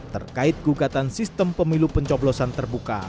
terkait gugatan sistem pemilu pencoblosan terbuka